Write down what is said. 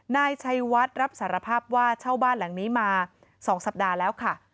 นายชัยวัดรับสารภาพว่าเช่าบ้านหลังนี้มา๒สัปดาห์แล้วค่ะ